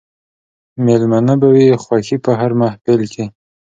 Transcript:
مېلمنه به وه خوښي په هر محل کښي